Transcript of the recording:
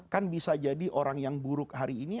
kan bisa jadi orang yang buruk hari ini